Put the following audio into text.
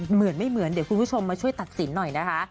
เหมือนไม่เหมือนเดี๋ยวคุณผู้ชมมาช่วยตัดสินหน่อยนะคะ